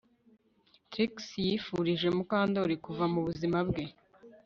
Trix yifurije Mukandoli kuva mu buzima bwe